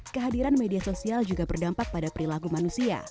kehadiran media sosial juga berdampak pada perilaku manusia